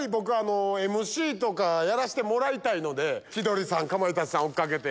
ＭＣとかやらしてもらいたいので千鳥さんかまいたちさん追っ掛けて。